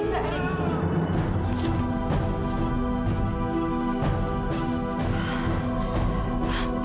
ini tidak ada di sini